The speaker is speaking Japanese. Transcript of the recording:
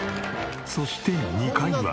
そして２階は。